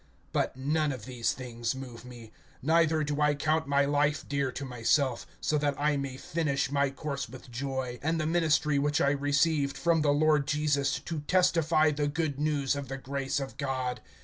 (24)But none of these things move me, neither do I count my life dear to myself, so that I may finish my course with joy[20:24], and the ministry which I received from the Lord Jesus, to testify the good news of the grace of God.